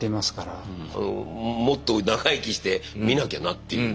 もっと長生きして見なきゃなっていうね。